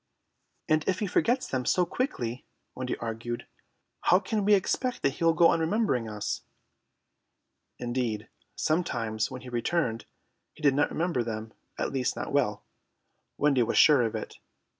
"And if he forgets them so quickly," Wendy argued, "how can we expect that he will go on remembering us?" Indeed, sometimes when he returned he did not remember them, at least not well. Wendy was sure of it.